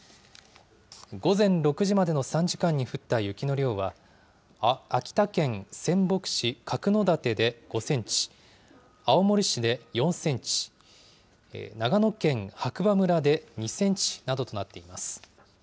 午前６時までの３時間に降った雪の量は、秋田県仙北市角館で５センチ、青森市で４センチ、長野県白馬村で２センチなどとなっています。